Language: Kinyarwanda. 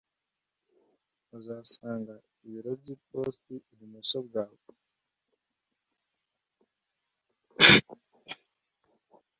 Uzasanga ibiro byiposita ibumoso bwawe